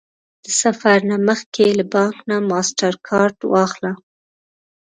د سفر نه مخکې له بانک نه ماسټرکارډ واخله